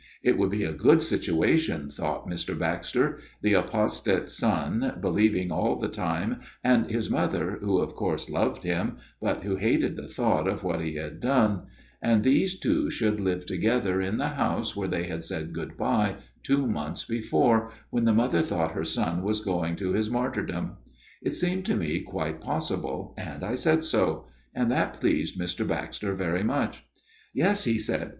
It would be a good situation, thought Mr. Baxter the apostate son, believing all the time, and his mother, who of coursejoved him, but who hated the thought of what he had done and 224 A MIRROR OF SHALOTT these two should live together in the house where they had said good bye two months before, when the mother thought her son was going to his martyrdom. It seemed to me quite possible, and I said so ; and that pleased Mr. Baxter very much. "' Yes/ he said.